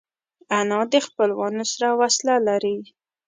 انا د خپلوانو سره وصله لري